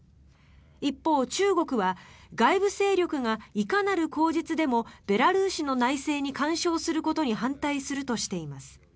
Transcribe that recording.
一方、中国は外部勢力がいかなる口実でもベラルーシの内政に干渉することに反対するとしています。